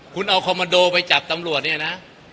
คุณเอาคอมมันโดไปจับตำรวจเนี่ยนะ